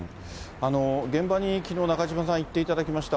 現場にきのう、中島さん、行っていただきました。